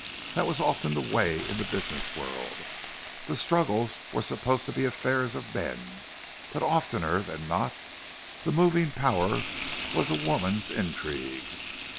That was often the way in the business world; the struggles were supposed to be affairs of men, but oftener than not the moving power was a woman's intrigue.